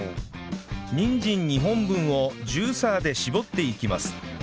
にんじん２本分をジューサーで搾っていきます